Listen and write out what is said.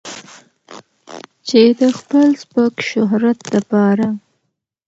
چې د خپل سپک شهرت د پاره